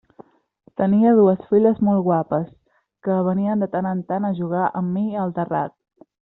Tenia dues filles molt guapes que venien de tant en tant a jugar amb mi al terrat.